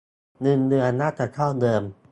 เงินเดือนน่าจะเท่าเดิม.